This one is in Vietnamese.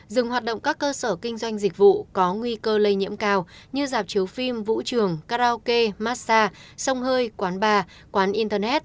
dừng hoạt động các cơ sở kinh doanh dịch vụ có nguy cơ lây nhiễm cao như dạp chiếu phim vũ trường karaoke massage sông hơi quán bar quán internet